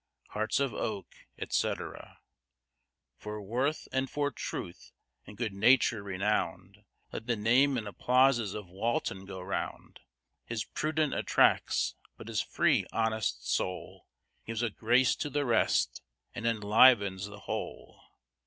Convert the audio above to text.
Hearts of oak, etc. For worth and for truth, and good nature renown'd, Let the name and applauses of Walton go round: His prudence attracts but his free, honest soul Gives a grace to the rest, and enlivens the whole.